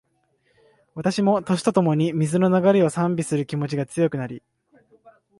私も、年とともに、水の流れを賛美する気持ちが強くなり